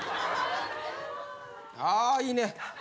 ああいいね。